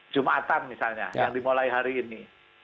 jumatan misalnya yang dimulai hari ini